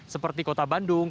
seperti kota bandung